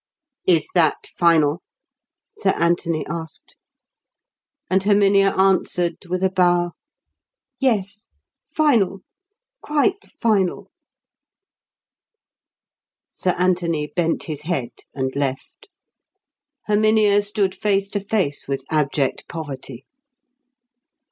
"Is that final?" Sir Anthony asked. And Herminia answered with a bow, "Yes, final; quite final." Sir Anthony bent his head and left. Herminia stood face to face with abject poverty.